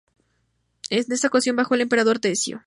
En esta ocasión bajo el emperador Decio.